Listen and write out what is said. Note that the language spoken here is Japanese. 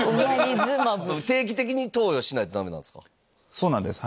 そうなんです。